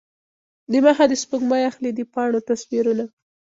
دمخه د سپوږمۍ اخلي د پاڼو تصویرونه